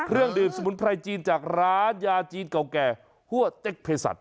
เครื่องดื่มสมุนไพรจีนจากร้านยาจีนเก่าแก่หัวเจ๊กเพศสัตว